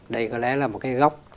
đây có lẽ là một cái góc